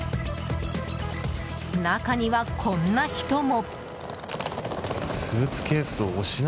中には、こんな人も。